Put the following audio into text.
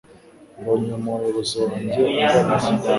mbonye umuyobozi wanjye agarutse